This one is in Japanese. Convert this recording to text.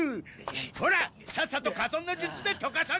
ほらさっさと火遁の術で溶かさんか！